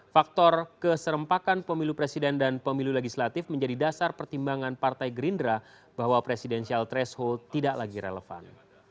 faktor keserempakan pemilu presiden dan pemilu legislatif menjadi dasar pertimbangan partai gerindra bahwa presidensial threshold tidak lagi relevan